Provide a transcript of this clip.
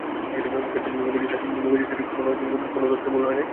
মুখার্জি স্যারের তথ্য কখনো ভুল হয় নাই।